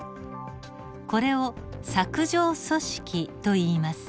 これを柵状組織といいます。